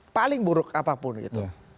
paling buruk apapun gitu